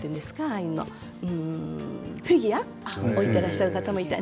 ああいうのフィギュア置いてらっしゃる方もいたり